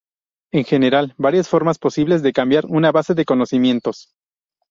En general, varias formas posibles de cambiar una base de conocimientos.